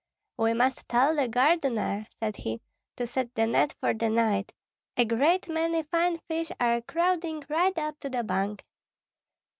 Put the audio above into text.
"We must tell the gardener," said he, "to set the net for the night; a great many fine fish are crowding right up to the bank."